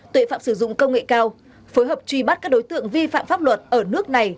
tội phạm sử dụng công nghệ cao phối hợp truy bắt các đối tượng vi phạm pháp luật ở nước này